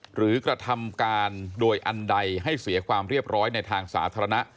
หรือกระทำการโดยอันใดให้เสียความเรียบร้อยในทางสาธารณะ